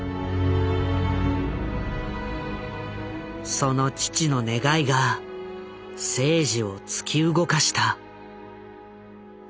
その父の願いが征爾を突き動かした。